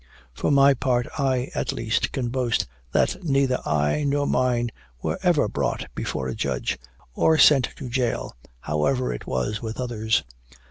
"For my part, I, at least, can boast that neither I nor mine were ever brought before a judge or sent to jail, however it was with others."